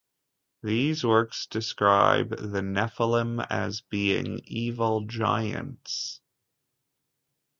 These works describe the Nephilim as being evil giants.